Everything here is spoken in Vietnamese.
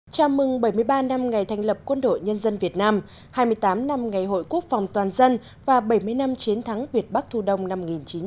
chào mừng bảy mươi ba năm ngày thành lập quân đội nhân dân việt nam hai mươi tám năm ngày hội quốc phòng toàn dân và bảy mươi năm chiến thắng việt bắc thu đông năm một nghìn chín trăm bảy mươi năm